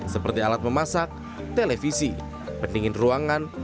seperti alat memasak televisi pendingin ruangan